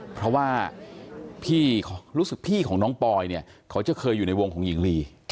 เพราะว่าพี่รู้สึกพี่ของน้องปอยเนี่ยเขาจะเคยอยู่ในวงของหญิงลี